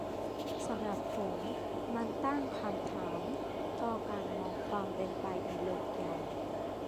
สำหรับผม มันตั้งคำถามต่อการมองความเป็นไปในโลกอย่าง